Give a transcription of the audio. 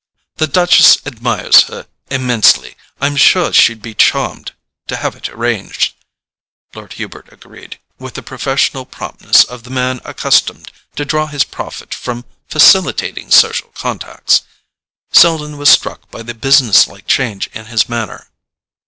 "The Duchess admires her immensely: I'm sure she'd be charmed to have it arranged," Lord Hubert agreed, with the professional promptness of the man accustomed to draw his profit from facilitating social contacts: Selden was struck by the businesslike change in his manner.